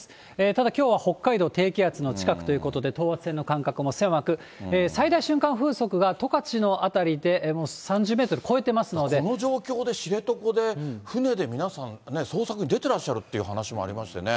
ただ、きょうは北海道、低気圧の近くということで、等圧線の間隔も狭く、最大瞬間風速が、十勝の辺りで、もう３０メートル超えてこの状況で、知床で、船で皆さんね、捜索に出てらっしゃるっていう話もありましてね。